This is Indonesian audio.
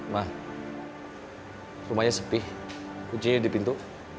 nah rumahnya sepi kuncinya di pintu